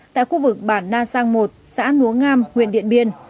tại khu vực bản na sang một xã núa ngam huyện điện biên